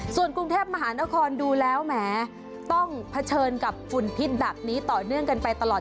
ส่วนกรุงเทพมหานครดูแล้วแหมต้องเผชิญกับฝุ่นพิษแบบนี้ต่อเนื่องกันไปตลอด